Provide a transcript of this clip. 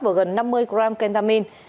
và gần năm mươi gram kentamin